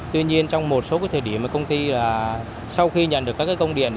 tuy nhiên trong một số thời điểm công ty sau khi nhận được các công điện